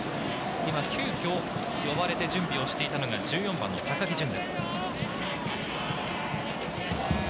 今、急きょ呼ばれて準備をしていたのが１４番の高木淳です。